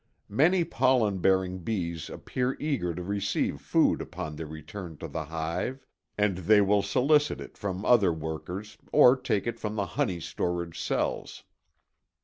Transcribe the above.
Many pollen bearing bees appear eager to receive food upon their return to the hive, and they will solicit it from other workers or take it from the honey storage cells.